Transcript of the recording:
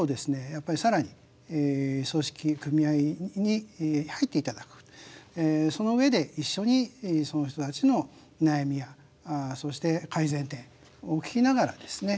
やっぱり更に組織組合に入っていただくその上で一緒にその人たちの悩みやそして改善点を聞きながらですね